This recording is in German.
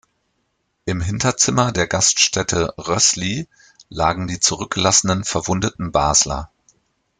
Im Hinterzimmer der Gaststätte „Rössli“ lagen die zurückgelassenen, verwundeten Basler.